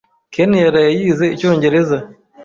Ken yaraye yize icyongereza.